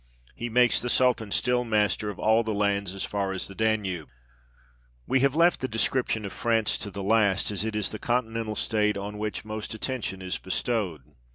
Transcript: He makes the Sultan still master of all the lands as far as the Danube. We have left the description of France to the last, as it is the continental state on which most attention is bestowed.